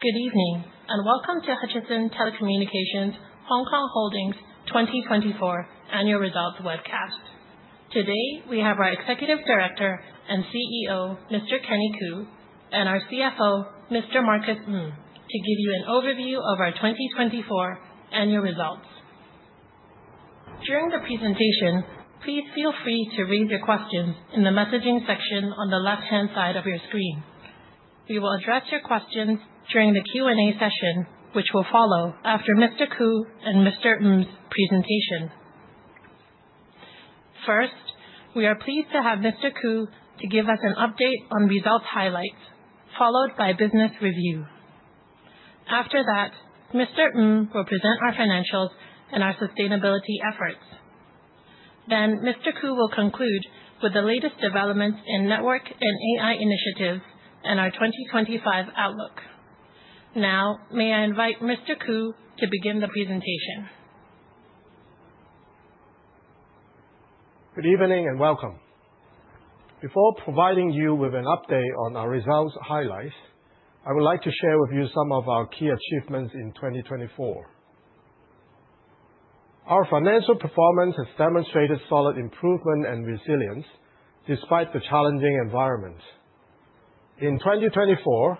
Good evening and welcome to Hutchison Telecommunications Hong Kong Holdings 2024 annual results webcast. Today we have our Executive Director and CEO, Mr. Kenny Koo, and our CFO, Mr. Marcus Ng, to give you an overview of our 2024 annual results. During the presentation, please feel free to raise your questions in the messaging section on the left-hand side of your screen. We will address your questions during the Q&A session, which will follow after Mr. Koo and Mr. Ng's presentation. First, we are pleased to have Mr. Koo to give us an update on results highlights, followed by business review. After that, Mr. Ng will present our financials and our sustainability efforts. Mr. Koo will conclude with the latest developments in network and AI initiatives and our 2025 outlook. Now, may I invite Mr. Koo to begin the presentation? Good evening and welcome. Before providing you with an update on our results highlights, I would like to share with you some of our key achievements in 2024. Our financial performance has demonstrated solid improvement and resilience despite the challenging environment. In 2024,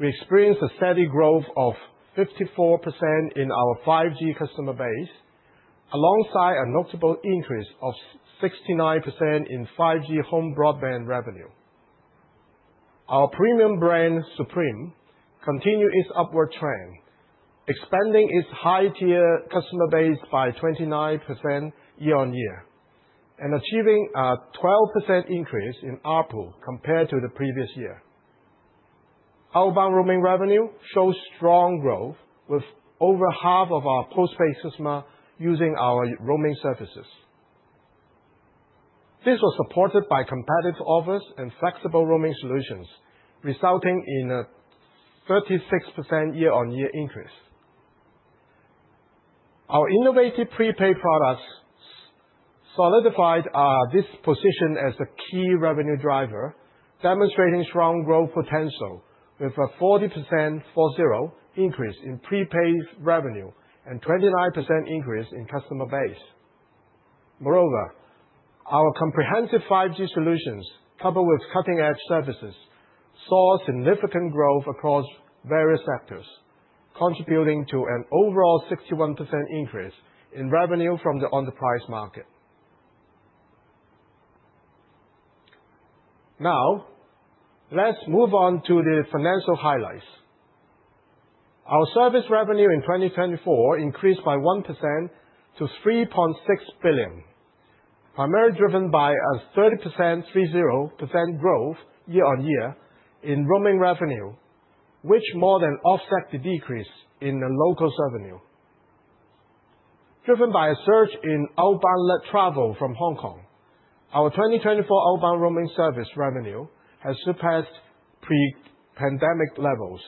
we experienced a steady growth of 54% in our 5G customer base, alongside a notable increase of 69% in 5G Home Broadband revenue. Our premium brand, Supreme, continued its upward trend, expanding its high-tier customer base by 29% year-on-year and achieving a 12% increase in ARPU compared to the previous year. Our roaming revenue shows strong growth, with over half of our postpaid customers using our roaming services. This was supported by competitive offers and flexible roaming solutions, resulting in a 36% year-on-year increase. Our innovative prepaid products solidified this position as a key revenue driver, demonstrating strong growth potential with a 40% increase in prepaid revenue and a 29% increase in customer base. Moreover, our comprehensive 5G solutions, coupled with cutting-edge services, saw significant growth across various sectors, contributing to an overall 61% increase in revenue from the enterprise market. Now, let's move on to the financial highlights. Our service revenue in 2024 increased by 1% to 3.6 billion, primarily driven by a 30% growth year-on-year in roaming revenue, which more than offsets the decrease in local revenue. Driven by a surge in outbound travel from Hong Kong, our 2024 outbound roaming service revenue has surpassed pre-pandemic levels.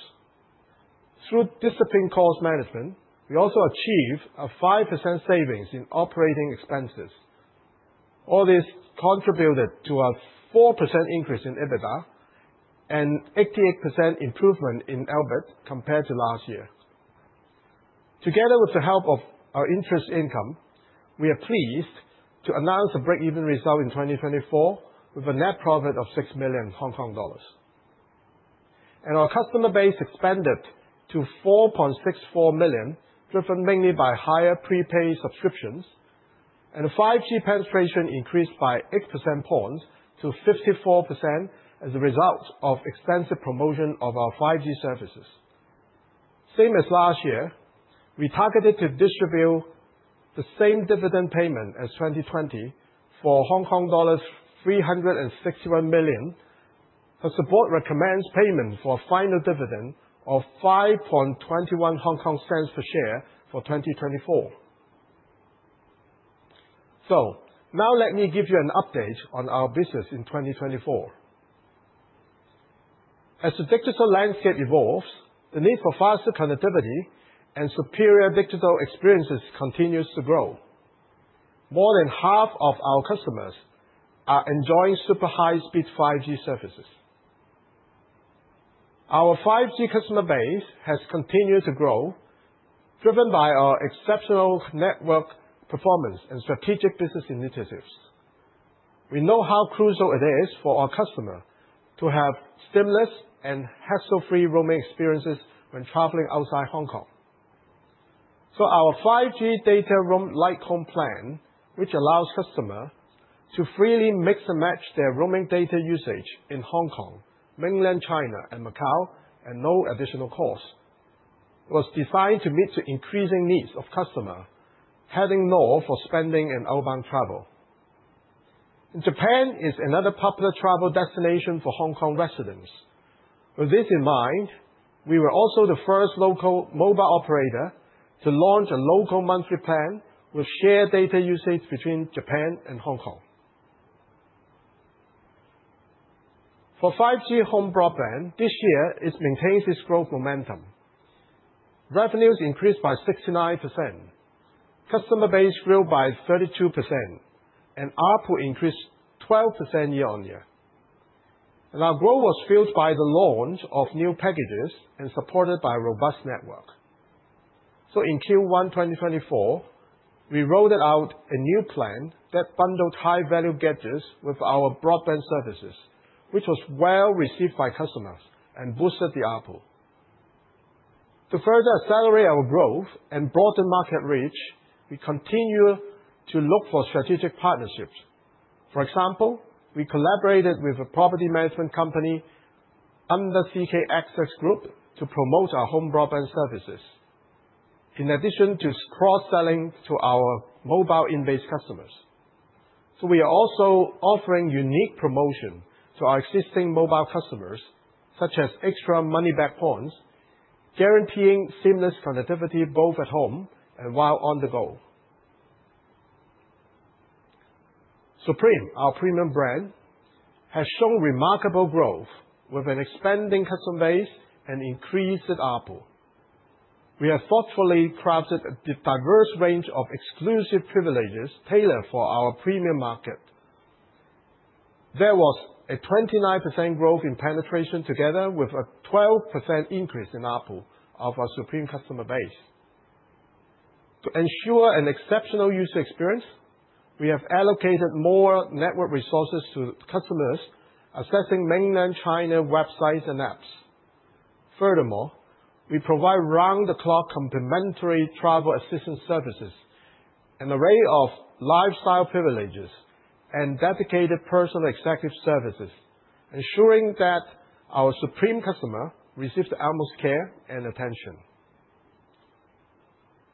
Through disciplined cost management, we also achieved a 5% savings in operating expenses. All this contributed to a 4% increase in EBITDA and an 88% improvement in EBIT compared to last year. Together, with the help of our interest income, we are pleased to announce a break-even result in 2024 with a net profit of 6 million Hong Kong dollars. Our customer base expanded to 4.64 million, driven mainly by higher prepaid subscriptions, and the 5G penetration increased by 8 percentage points to 54% as a result of extensive promotion of our 5G services. Same as last year, we targeted to distribute the same dividend payment as 2020 for Hong Kong dollars 361 million, but support recommends payment for a final dividend of 5.21 HK cents per share for 2024. Now let me give you an update on our business in 2024. As the digital landscape evolves, the need for faster connectivity and superior digital experiences continues to grow. More than half of our customers are enjoying super high-speed 5G services. Our 5G customer base has continued to grow, driven by our exceptional network performance and strategic business initiatives. We know how crucial it is for our customers to have seamless and hassle-free roaming experiences when traveling outside Hong Kong. Our 5G Data Roam Like Home Plan, which allows customers to freely mix and match their roaming data usage in Hong Kong, mainland China, and Macau at no additional cost, was designed to meet the increasing needs of customers heading north for spending and outbound travel. Japan is another popular travel destination for Hong Kong residents. With this in mind, we were also the first local mobile operator to launch a local monthly plan with shared data usage between Japan and Hong Kong. For 5G Home Broadband, this year it maintains its growth momentum. Revenues increased by 69%, customer base grew by 32%, and ARPU increased 12% year-on-year. Our growth was fueled by the launch of new packages and supported by a robust network. In Q1 2024, we rolled out a new plan that bundled high-value gadgets with our broadband services, which was well received by customers and boosted the ARPU. To further accelerate our growth and broaden market reach, we continue to look for strategic partnerships. For example, we collaborated with a property management company under CK Asset Group to promote our home broadband services, in addition to cross-selling to our mobile in-based customers. We are also offering unique promotions to our existing mobile customers, such as extra MoneyBack points, guaranteeing seamless connectivity both at home and while on the go. Supreme, our premium brand, has shown remarkable growth with an expanding customer base and increased ARPU. We have thoughtfully crafted a diverse range of exclusive privileges tailored for our premium market. There was a 29% growth in penetration together with a 12% increase in ARPU of our Supreme customer base. To ensure an exceptional user experience, we have allocated more network resources to customers accessing mainland China websites and apps. Furthermore, we provide round-the-clock complimentary travel assistance services, an array of lifestyle privileges, and dedicated personal executive services, ensuring that our Supreme customers receive the utmost care and attention.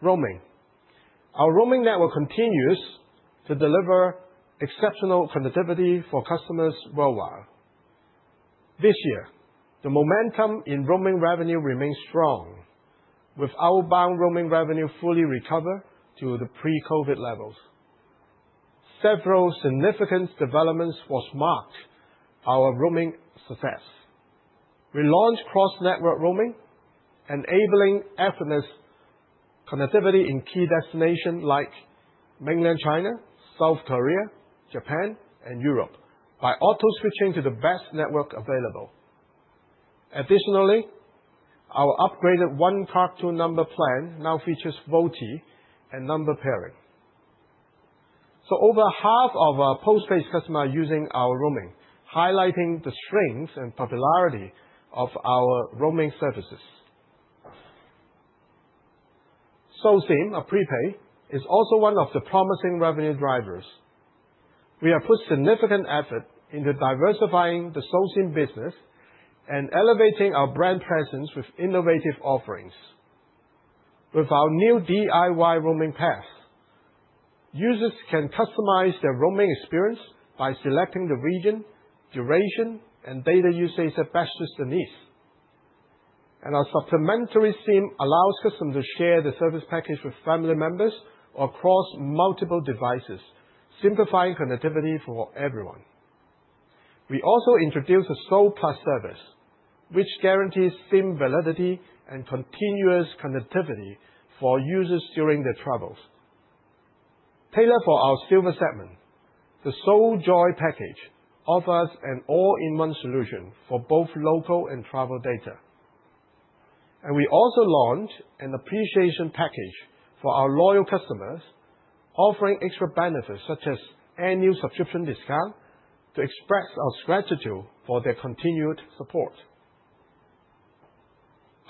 Roaming. Our roaming network continues to deliver exceptional connectivity for customers worldwide. This year, the momentum in roaming revenue remains strong, with outbound roaming revenue fully recovered to the pre-COVID levels. Several significant developments marked our roaming success. We launched cross-network roaming, enabling effortless connectivity in key destinations like mainland China, South Korea, Japan, and Europe by auto-switching to the best network available. Additionally, our upgraded One Card Two Numbers plan now features VoLTE and number pairing. Over half of our postpaid customers are using our roaming, highlighting the strength and popularity of our roaming services. SoSIM, a prepaid, is also one of the promising revenue drivers. We have put significant effort into diversifying the SoSIM business and elevating our brand presence with innovative offerings. With our new DIY Roaming Pass, users can customize their roaming experience by selecting the region, duration, and data usage that best suits their needs. Our Supplementary SIM allows customers to share the service package with family members across multiple devices, simplifying connectivity for everyone. We also introduced a So+ Service, which guarantees SIM validity and continuous connectivity for users during their travels. Tailored for our Silver segment, the SoJoy Package offers an all-in-one solution for both local and travel data. We also launched an appreciation package for our loyal customers, offering extra benefits such as annual subscription discounts to express our gratitude for their continued support.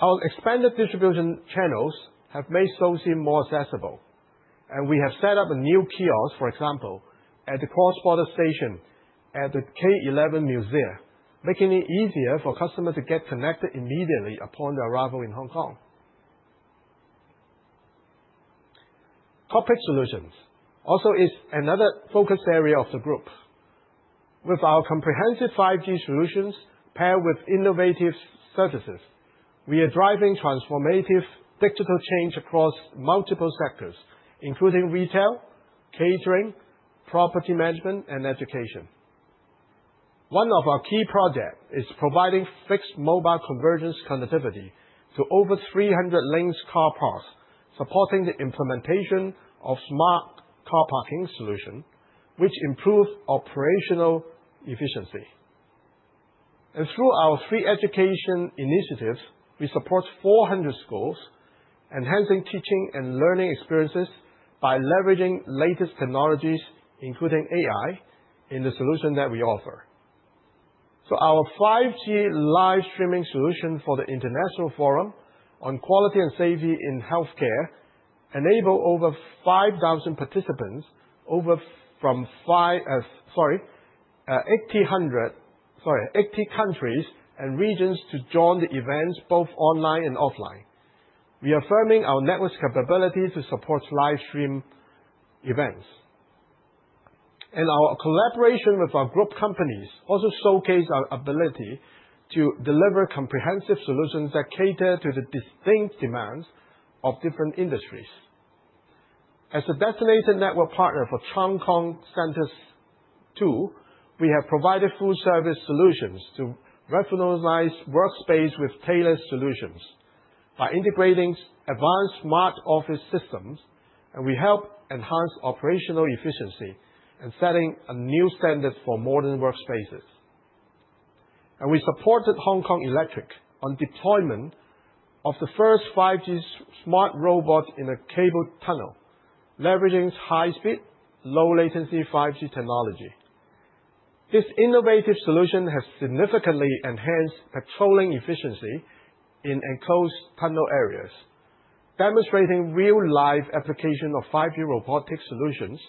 Our expanded distribution channels have made SoSIM more accessible, and we have set up a new kiosk, for example, at the Cross-Border Station at the K11 MUSEA, making it easier for customers to get connected immediately upon their arrival in Hong Kong. Corporate Solutions also is another focus area of the group. With our comprehensive 5G solutions paired with innovative services, we are driving transformative digital change across multiple sectors, including retail, catering, property management, and education. One of our key projects is providing fixed mobile convergence connectivity to over 300 Link's car parks, supporting the implementation of smart car parking solutions, which improves operational efficiency. Through our free education initiatives, we support 400 schools, enhancing teaching and learning experiences by leveraging the latest technologies, including AI, in the solutions that we offer. Our 5G live streaming solution for the International Forum on Quality and Safety in Healthcare enabled over 5,000 participants from 80 countries and regions to join the events both online and offline, reaffirming our network's capability to support live stream events. Our collaboration with our group companies also showcased our ability to deliver comprehensive solutions that cater to the distinct demands of different industries. As a designated network partner for Cheung Kong Center II, we have provided full-service solutions to redefine workspaces with tailored solutions by integrating advanced smart office systems, and we helped enhance operational efficiency and set a new standard for modern workspaces. We supported Hong Kong Electric on the deployment of the first 5G smart robot in a cable tunnel, leveraging high-speed, low-latency 5G technology. This innovative solution has significantly enhanced patrolling efficiency in enclosed tunnel areas, demonstrating real-life applications of 5G robotic solutions,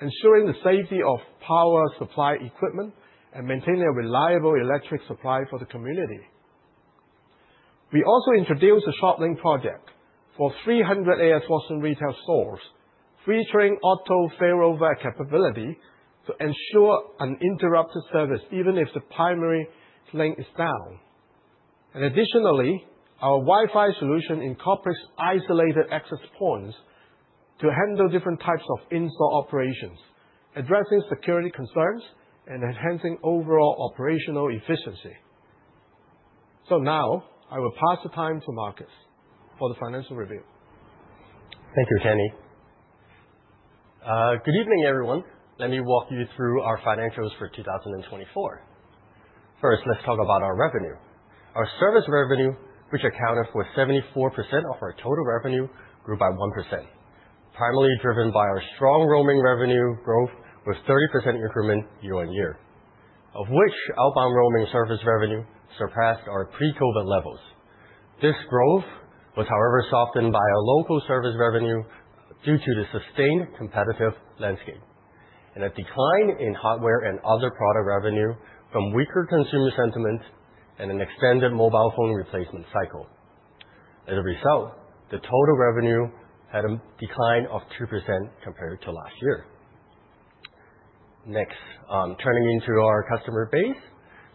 ensuring the safety of power supply equipment, and maintaining a reliable electric supply for the community. We also introduced a ShopLink project for 300 A.S. Watson retail stores, featuring auto failover capability to ensure uninterrupted service even if the primary link is down. Additionally, our Wi-Fi solution incorporates isolated access points to handle different types of in-store operations, addressing security concerns and enhancing overall operational efficiency. Now I will pass the time to Marcus for the financial review. Thank you, Kenny. Good evening, everyone. Let me walk you through our financials for 2024. First, let's talk about our revenue. Our service revenue, which accounted for 74% of our total revenue, grew by 1%, primarily driven by our strong roaming revenue growth with 30% increment year-on-year, of which outbound roaming service revenue surpassed our pre-COVID levels. This growth was, however, softened by our local service revenue due to the sustained competitive landscape and a decline in hardware and other product revenue from weaker consumer sentiment and an extended mobile phone replacement cycle. As a result, the total revenue had a decline of 2% compared to last year. Next, turning into our customer base,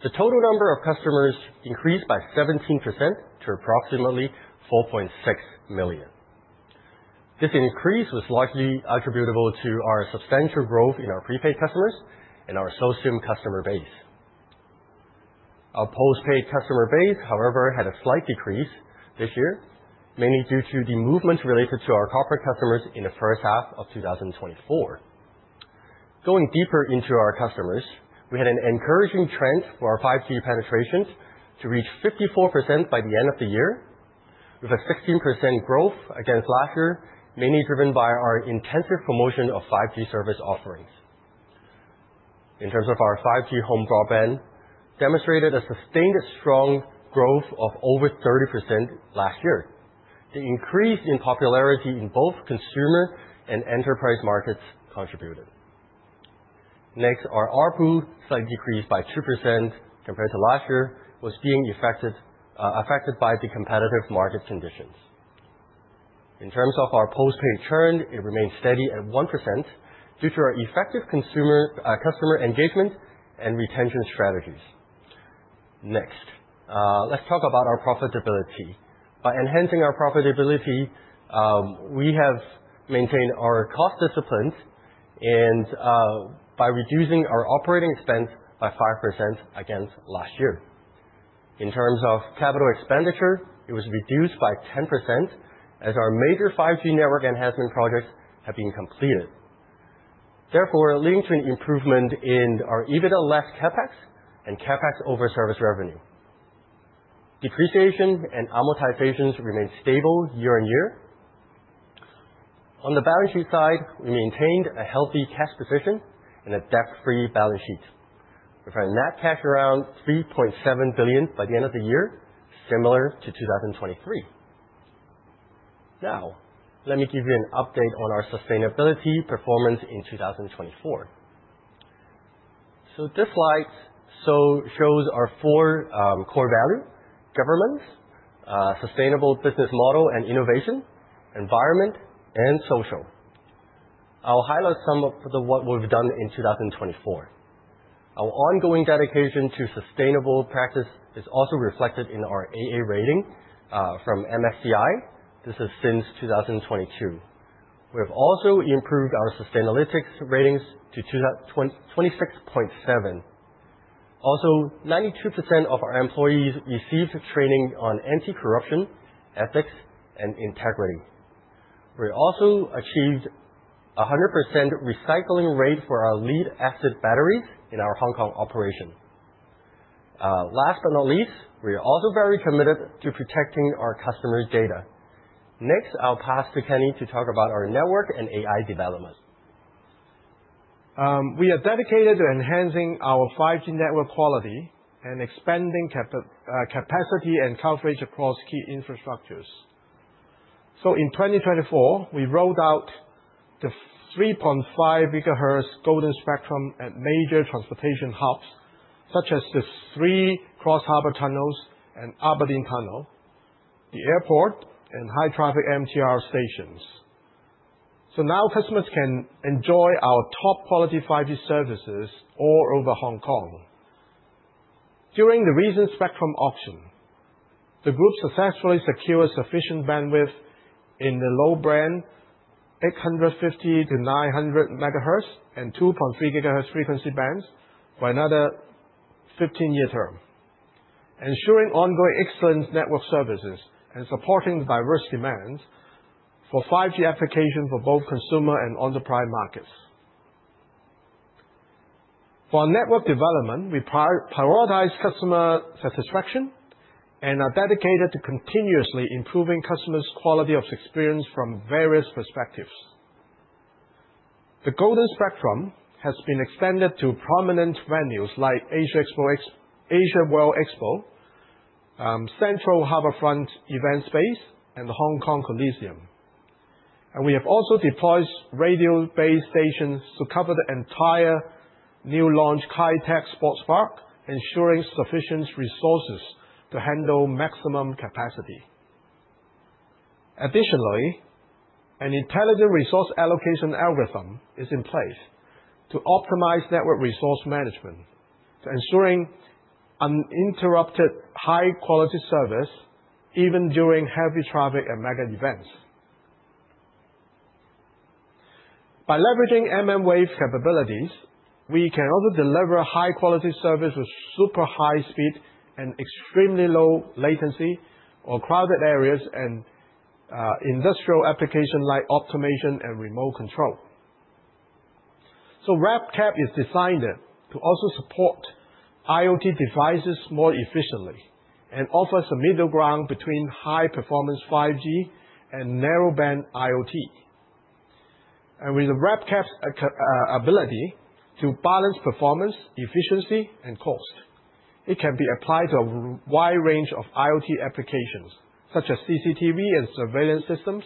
the total number of customers increased by 17% to approximately 4.6 million. This increase was largely attributable to our substantial growth in our prepaid customers and our SoSIM customer base. Our postpaid customer base, however, had a slight decrease this year, mainly due to the movements related to our corporate customers in the first half of 2024. Going deeper into our customers, we had an encouraging trend for our 5G penetrations to reach 54% by the end of the year, with a 16% growth against last year, mainly driven by our intensive promotion of 5G service offerings. In terms of our 5G Home Broadband, it demonstrated a sustained strong growth of over 30% last year. The increase in popularity in both consumer and enterprise markets contributed. Next, our ARPU, slight decrease by 2% compared to last year, was being affected by the competitive market conditions. In terms of our postpaid churn, it remained steady at 1% due to our effective consumer customer engagement and retention strategies. Next, let's talk about our profitability. By enhancing our profitability, we have maintained our cost disciplines by reducing our operating expense by 5% against last year. In terms of capital expenditure, it was reduced by 10% as our major 5G network enhancement projects have been completed, therefore leading to an improvement in our EBITDA less CapEx and CapEx over service revenue. Depreciation and amortizations remained stable year-on-year. On the balance sheet side, we maintained a healthy cash position and a debt-free balance sheet, with our net cash around 3.7 billion by the end of the year, similar to 2023. Now, let me give you an update on our sustainability performance in 2024. This slide shows our four core values: governance, sustainable business model and innovation, environment, and social. I'll highlight some of what we've done in 2024. Our ongoing dedication to sustainable practice is also reflected in our AA rating from MSCI. This is since 2022. We have also improved our sustainability ratings to 26.7. Also, 92% of our employees received training on anti-corruption, ethics, and integrity. We also achieved a 100% recycling rate for our lead-acid batteries in our Hong Kong operation. Last but not least, we are also very committed to protecting our customer data. Next, I'll pass to Kenny to talk about our network and AI development. We are dedicated to enhancing our 5G network quality and expanding capacity and coverage across key infrastructures. In 2024, we rolled out the 3.5 GHz Golden Spectrum at major transportation hubs, such as the three cross-harbor tunnels and Aberdeen Tunnel, the airport, and high-traffic MTR stations. Now customers can enjoy our top-quality 5G services all over Hong Kong. During the recent spectrum auction, the group successfully secured sufficient bandwidth in the low-band, 850-900 MHz, and 2.3 GHz frequency bands for another 15-year term, ensuring ongoing excellent network services and supporting diverse demands for 5G applications for both consumer and enterprise markets. For network development, we prioritize customer satisfaction and are dedicated to continuously improving customers' quality of experience from various perspectives. The golden spectrum has been extended to prominent venues like AsiaWorld-Expo, Central Harbourfront Event Space, and the Hong Kong Coliseum. We have also deployed radio-based stations to cover the entire new launch Kai Tak Sports Park, ensuring sufficient resources to handle maximum capacity. Additionally, an intelligent resource allocation algorithm is in place to optimize network resource management, ensuring uninterrupted high-quality service even during heavy traffic and mega events. By leveraging mmWave capabilities, we can also deliver high-quality service with super high speed and extremely low latency for crowded areas and industrial applications like automation and remote control. RedCap is designed to also support IoT devices more efficiently and offers a middle ground between high-performance 5G and narrowband IoT. With RedCap's ability to balance performance, efficiency, and cost, it can be applied to a wide range of IoT applications such as CCTV and surveillance systems,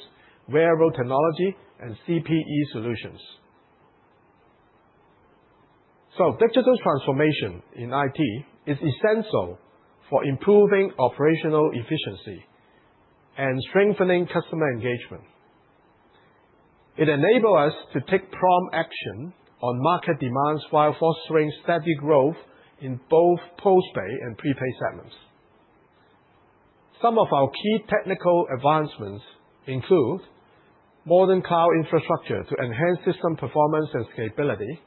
wearable technology, and CPE solutions. Digital transformation in IT is essential for improving operational efficiency and strengthening customer engagement. It enables us to take prompt action on market demands while fostering steady growth in both postpaid and prepaid segments. Some of our key technical advancements include modern cloud infrastructure to enhance system performance and scalability,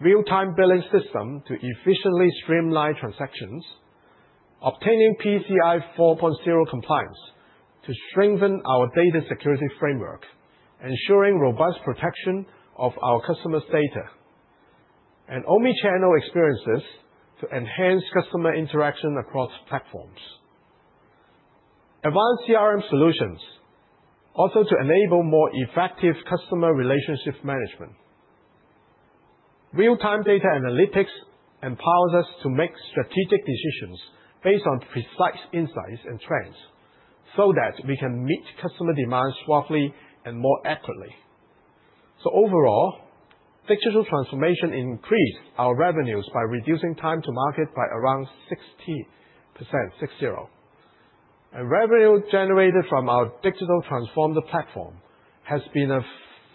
real-time billing system to efficiently streamline transactions, obtaining PCI 4.0 compliance to strengthen our data security framework, ensuring robust protection of our customers' data, and omnichannel experiences to enhance customer interaction across platforms. Advanced CRM solutions also enable more effective customer relationship management. Real-time data analytics empowers us to make strategic decisions based on precise insights and trends so that we can meet customer demands swiftly and more accurately. Overall, digital transformation increased our revenues by reducing time to market by around 60%, six zero. Revenue generated from our digital transformed platform has been a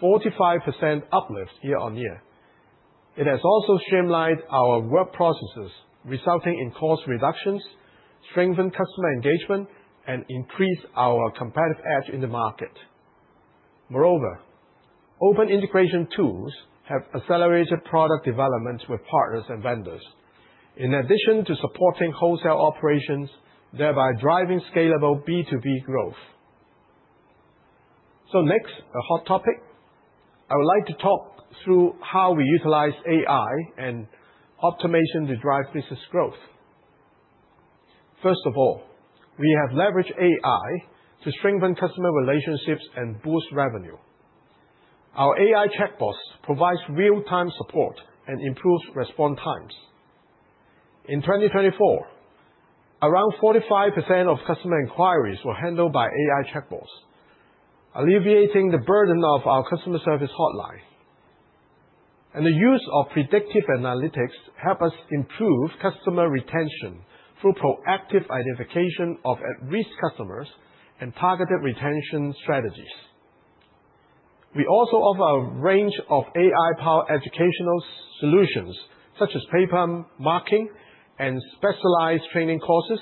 45% uplift year-on-year. It has also streamlined our work processes, resulting in cost reductions, strengthened customer engagement, and increased our competitive edge in the market. Moreover, open integration tools have accelerated product development with partners and vendors, in addition to supporting wholesale operations, thereby driving scalable B2B growth. Next, a hot topic. I would like to talk through how we utilize AI and automation to drive business growth. First of all, we have leveraged AI to strengthen customer relationships and boost revenue. Our AI chatbots provide real-time support and improve response times. In 2024, around 45% of customer inquiries were handled by AI chatbots, alleviating the burden of our customer service hotline. The use of predictive analytics helps us improve customer retention through proactive identification of at-risk customers and targeted retention strategies. We also offer a range of AI-powered educational solutions, such as paper marking and specialized training courses,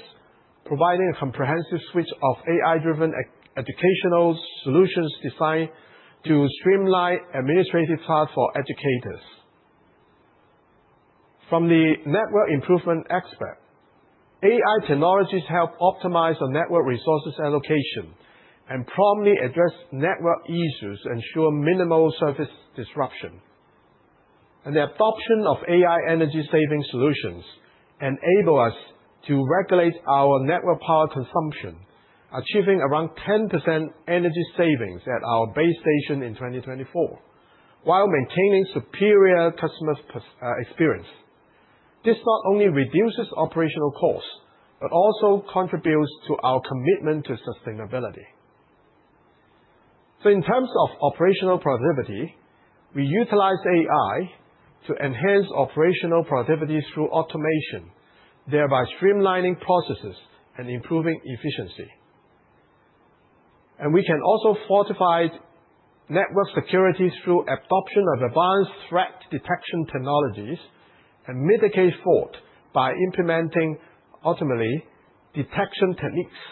providing a comprehensive suite of AI-driven educational solutions designed to streamline administrative tasks for educators. From the network improvement aspect, AI technologies help optimize our network resources allocation and promptly address network issues to ensure minimal service disruption. The adoption of AI energy-saving solutions enables us to regulate our network power consumption, achieving around 10% energy savings at our base station in 2024, while maintaining superior customer experience. This not only reduces operational costs, but also contributes to our commitment to sustainability. In terms of operational productivity, we utilize AI to enhance operational productivity through automation, thereby streamlining processes and improving efficiency. We can also fortify network security through the adoption of advanced threat detection technologies and mitigate fraud by implementing anomaly detection techniques.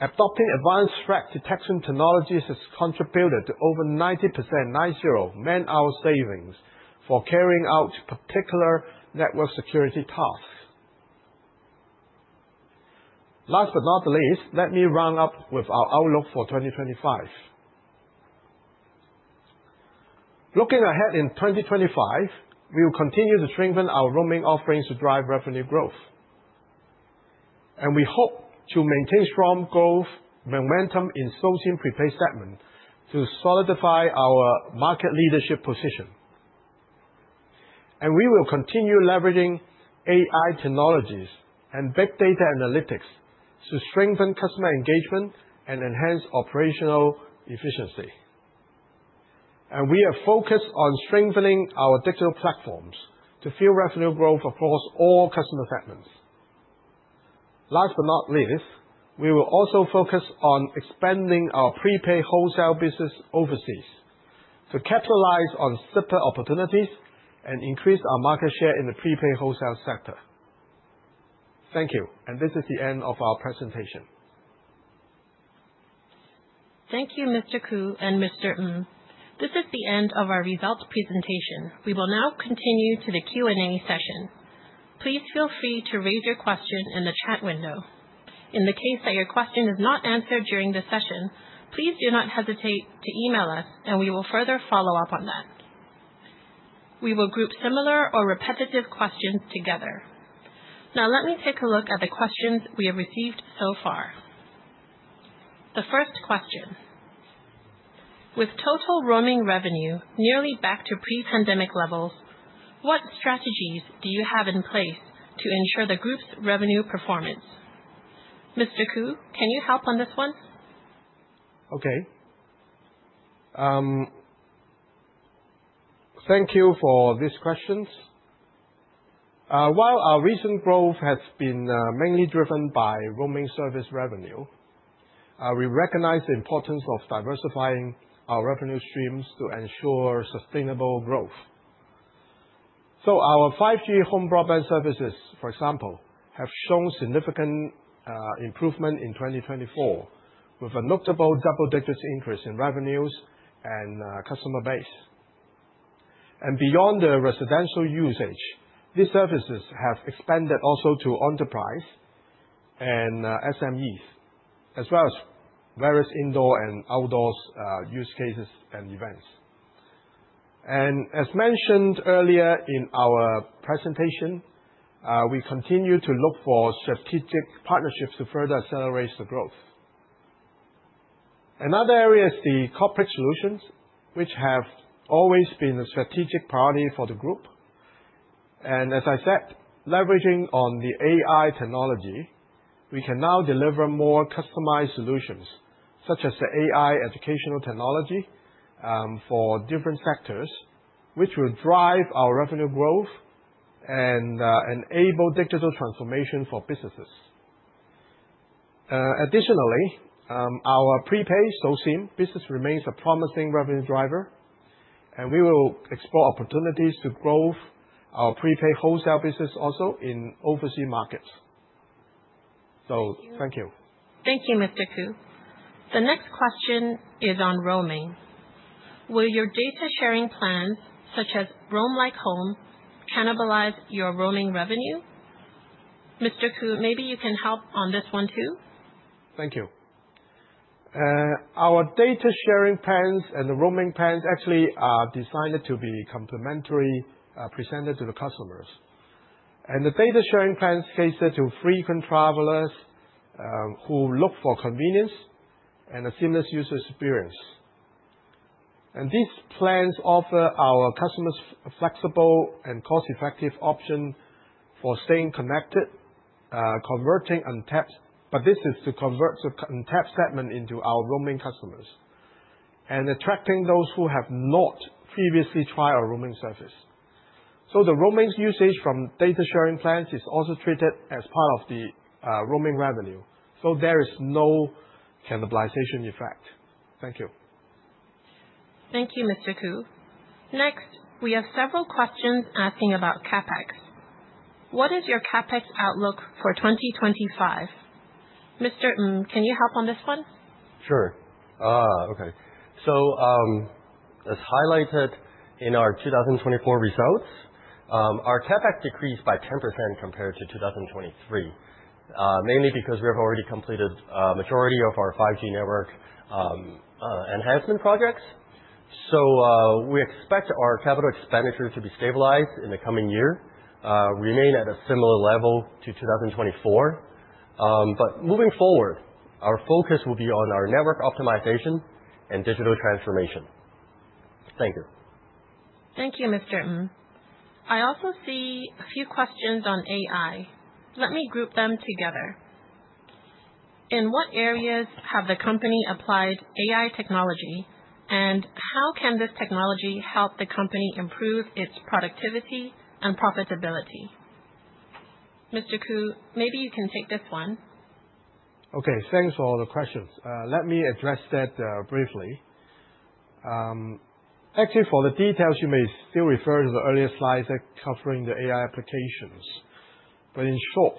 Adopting advanced threat detection technologies has contributed to over 90%, nine zero, man-hour savings for carrying out particular network security tasks. Last but not least, let me round up with our outlook for 2025. Looking ahead in 2025, we will continue to strengthen our roaming offerings to drive revenue growth. We hope to maintain strong growth momentum in the SoSIM prepaid segment to solidify our market leadership position. We will continue leveraging AI technologies and big data analytics to strengthen customer engagement and enhance operational efficiency. We are focused on strengthening our digital platforms to fuel revenue growth across all customer segments. Last but not least, we will also focus on expanding our prepaid wholesale business overseas to capitalize on CPaaS opportunities and increase our market share in the prepaid wholesale sector. Thank you. This is the end of our presentation. Thank you, Mr. Koo and Mr. Ng. This is the end of our results presentation. We will now continue to the Q&A session. Please feel free to raise your question in the chat window. In the case that your question is not answered during the session, please do not hesitate to email us, and we will further follow up on that. We will group similar or repetitive questions together. Now, let me take a look at the questions we have received so far. The first question: With total roaming revenue nearly back to pre-pandemic levels, what strategies do you have in place to ensure the group's revenue performance? Mr. Koo, can you help on this one? Okay. Thank you for these questions. While our recent growth has been mainly driven by roaming service revenue, we recognize the importance of diversifying our revenue streams to ensure sustainable growth. Our 5G Home Broadband services, for example, have shown significant improvement in 2024, with a notable double-digit increase in revenues and customer base. Beyond the residential usage, these services have expanded also to enterprise and SMEs, as well as various indoor and outdoor use cases and events. As mentioned earlier in our presentation, we continue to look for strategic partnerships to further accelerate the growth. Another area is the corporate solutions, which have always been a strategic priority for the group. As I said, leveraging on the AI technology, we can now deliver more customized solutions, such as the AI educational technology for different sectors, which will drive our revenue growth and enable digital transformation for businesses. Additionally, our prepaid SoSIM business remains a promising revenue driver, and we will explore opportunities to grow our prepaid wholesale business also in overseas markets. Thank you. Thank you, Mr. Koo. The next question is on roaming. Will your data sharing plans, such as Roam Like Home, cannibalize your roaming revenue? Mr. Koo, maybe you can help on this one too. Thank you. Our data sharing plans and the roaming plans actually are designed to be complementary, presented to the customers. The data sharing plans cater to frequent travelers who look for convenience and a seamless user experience. These plans offer our customers a flexible and cost-effective option for staying connected, converting untapped, but this is to convert the untapped segment into our roaming customers and attracting those who have not previously tried our roaming service. The roaming usage from data sharing plans is also treated as part of the roaming revenue. There is no cannibalization effect. Thank you. Thank you, Mr. Koo. Next, we have several questions asking about CapEx. What is your CapEx outlook for 2025? Mr. Ng, can you help on this one? Sure. Okay. As highlighted in our 2024 results, our CapEx decreased by 10% compared to 2023, mainly because we have already completed a majority of our 5G network enhancement projects. We expect our capital expenditure to be stabilized in the coming year, remain at a similar level to 2024. Moving forward, our focus will be on our network optimization and digital transformation. Thank you. Thank you, Mr. Ng. I also see a few questions on AI. Let me group them together. In what areas has the company applied AI technology, and how can this technology help the company improve its productivity and profitability? Mr. Koo, maybe you can take this one. Okay. Thanks for all the questions. Let me address that briefly. Actually, for the details, you may still refer to the earlier slides covering the AI applications. In short,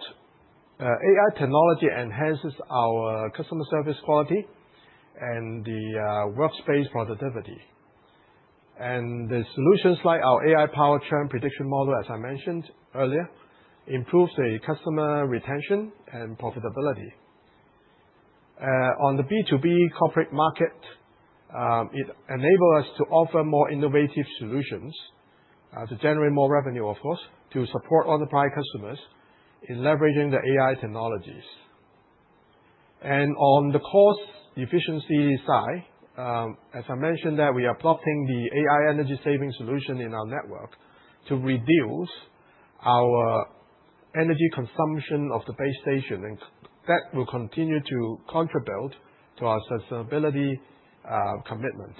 AI technology enhances our customer service quality and the workspace productivity. The solutions like our AI power trend prediction model, as I mentioned earlier, improves customer retention and profitability. On the B2B corporate market, it enables us to offer more innovative solutions to generate more revenue, of course, to support enterprise customers in leveraging the AI technologies. On the cost efficiency side, as I mentioned, we are adopting the AI energy saving solution in our network to reduce our energy consumption of the base station, and that will continue to contribute to our sustainability commitment.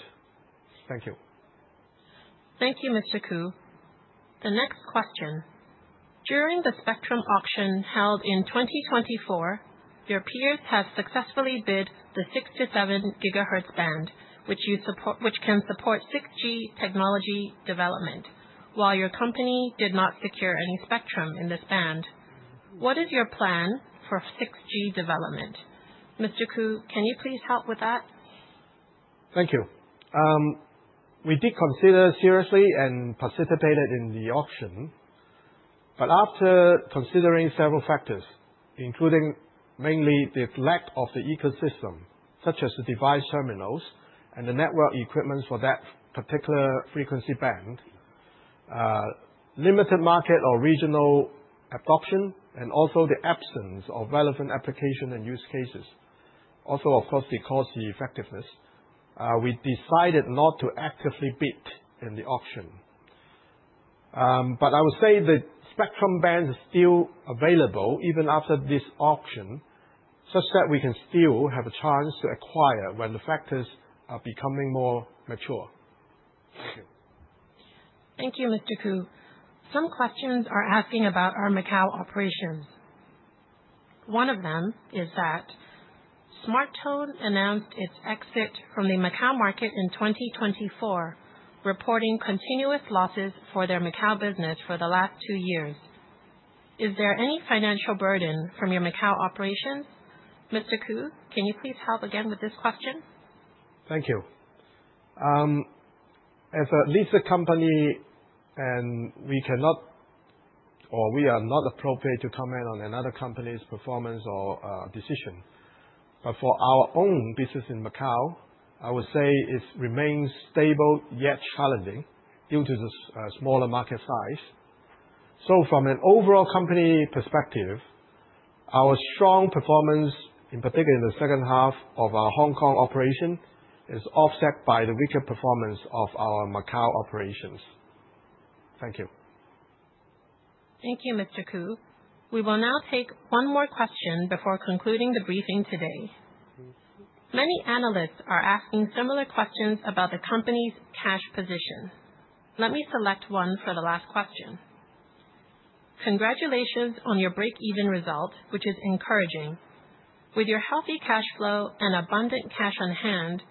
Thank you. Thank you, Mr. Koo. The next question. During the spectrum auction held in 2024, your peers have successfully bid the 6-7 GHz band, which can support 6G technology development, while your company did not secure any spectrum in this band. What is your plan for 6G development? Mr. Koo, can you please help with that? Thank you. We did consider seriously and participated in the auction, but after considering several factors, including mainly the lack of the ecosystem, such as the device terminals and the network equipment for that particular frequency band, limited market or regional adoption, and also the absence of relevant application and use cases, also, of course, the cost effectiveness, we decided not to actively bid in the auction. I would say the spectrum bands are still available even after this auction, such that we can still have a chance to acquire when the factors are becoming more mature. Thank you. Thank you, Mr. Koo. Some questions are asking about our Macau operations. One of them is that SmarTone announced its exit from the Macau market in 2024, reporting continuous losses for their Macau business for the last two years. Is there any financial burden from your Macau operations? Mr. Koo, can you please help again with this question? Thank you. As a leasing company, we cannot or we are not appropriate to comment on another company's performance or decision. For our own business in Macau, I would say it remains stable yet challenging due to the smaller market size. From an overall company perspective, our strong performance, in particular in the second half of our Hong Kong operation, is offset by the weaker performance of our Macau operations. Thank you. Thank you, Mr. Koo. We will now take one more question before concluding the briefing today. Many analysts are asking similar questions about the company's cash position. Let me select one for the last question. Congratulations on your break-even result, which is encouraging. With your healthy cash flow and abundant cash on hand,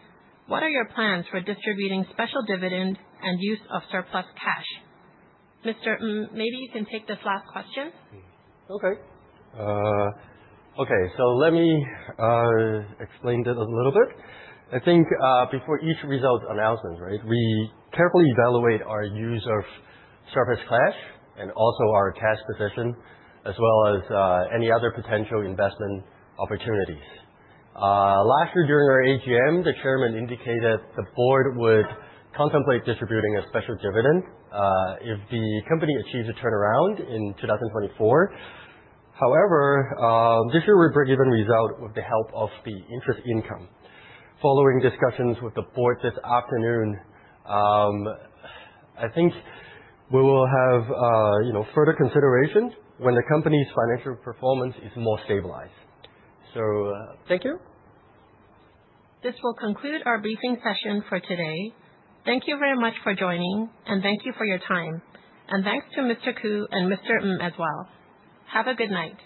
what are your plans for distributing special dividends and use of surplus cash? Mr. Ng, maybe you can take this last question. Okay. Okay. Let me explain this a little bit. I think before each result announcement, we carefully evaluate our use of surplus cash and also our cash position, as well as any other potential investment opportunities. Last year, during our AGM, the chairman indicated the board would contemplate distributing a special dividend if the company achieves a turnaround in 2024. However, this year, we are breaking even result with the help of the interest income. Following discussions with the board this afternoon, I think we will have further consideration when the company's financial performance is more stabilized. Thank you. This will conclude our briefing session for today. Thank you very much for joining, and thank you for your time. Thank you to Mr. Koo and Mr. Ng as well. Have a good night.